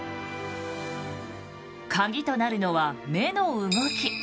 カギとなるのは目の動き。